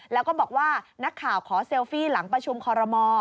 แล้วก็บอกว่านักข่าวขอเซลฟี่หลังประชุมคอรมอ